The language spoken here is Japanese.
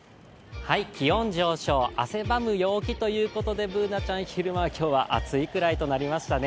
気温上昇、汗ばむ陽気ということでＢｏｏｎａちゃん、昼間は今日は暑いくらいとなりましたね。